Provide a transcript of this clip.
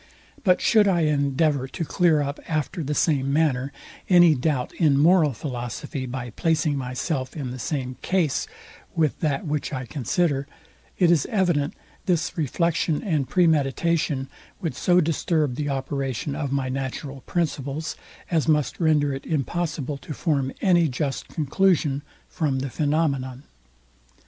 But should I endeavour to clear up after the same manner any doubt in moral philosophy, by placing myself in the same case with that which I consider, it is evident this reflection and premeditation would so disturb the operation of my natural principles, as must render it impossible to form any just conclusion from the phenomenon.